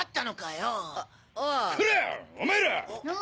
お前ら！